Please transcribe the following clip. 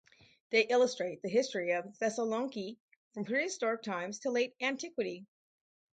They illustrate the history of Thessaloniki from prehistoric times to Late Antiquity.